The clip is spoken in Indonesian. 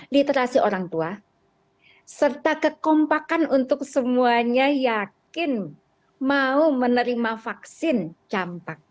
literasi orang tua serta kekompakan untuk semuanya yakin mau menerima vaksin campak